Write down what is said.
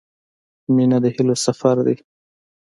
• مینه د هیلو سفر دی.